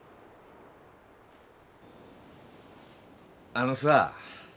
あのさ。